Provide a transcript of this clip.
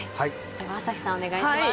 朝日さん、お願いします。